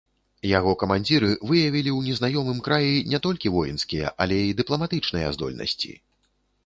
Яго камандзіры выявілі ў незнаёмым краі не толькі воінскія, але і дыпламатычныя здольнасці.